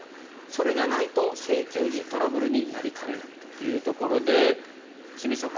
それがないと請求時トラブルになりかねないということで清水さん